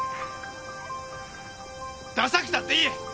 ださくたっていい！